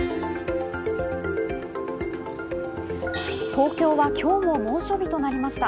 東京は今日も猛暑日となりました。